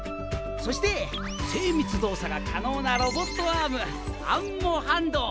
そして精密動作が可能なロボットアームアンモハンド！